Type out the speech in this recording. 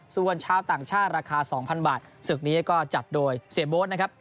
ส่วนชาวต่างชาติราคา๒๐๐บาทศึกนี้ก็จัดโดยเสียโบ๊ทนะครับ